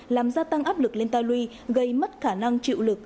làm gia tăng áp lực lên ta luy gây mất khả năng chịu lực